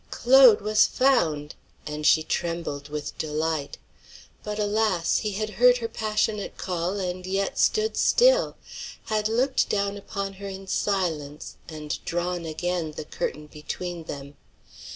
Claude was found! and she trembled with delight. But, alas! he had heard her passionate call and yet stood still; had looked down upon her in silence, and drawn again the curtain between them.